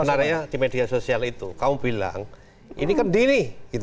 sebenarnya di media sosial itu kau bilang ini kan dini